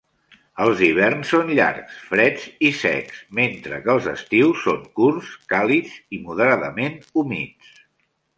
Els hiverns són llargs, freds i secs, mentre que els estius són curts, càlids i moderadament humits.